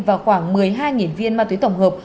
và khoảng một mươi hai viên ma túy tổng hợp